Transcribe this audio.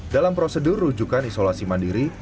dalam prosedur rujukan isolasi mandiri